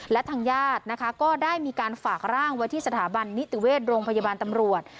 และทางญาตินะคะก็ได้มีการฝากร่างไว้ที่สถาบันนิติเวชโรงพยาบาลตำรวจ